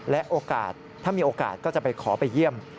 และโอกาสถ้ามีโอกาสก็จะไปขอไปเยี่ยม